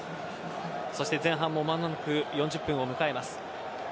そして前半も間もなく４０分を迎えます。